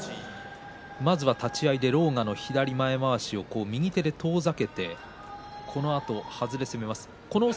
まずは立ち合い狼雅は左前まわしを右手で遠ざけて、はずで攻めます。